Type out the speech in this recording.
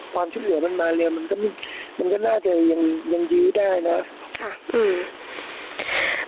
ความช่วยเหลือมันมาเร็วมันก็มันก็น่าจะยังยังยื้อได้นะค่ะอืม